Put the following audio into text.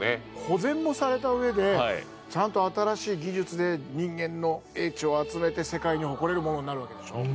保全もされたうえでちゃんと新しい技術で人間の英知を集めて世界に誇れるものになるわけでしょ？